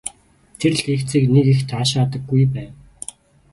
Тэр лекцийг нэг их таашаадаггүй байв.